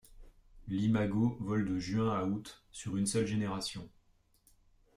L'imago vole de juin à août sur une seule génération.